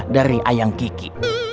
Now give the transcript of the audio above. dari ayang kiki